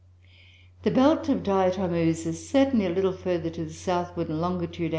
The belt of Diatom ooze is certainly a little further to the southward in long.